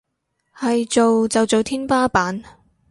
係做就做天花板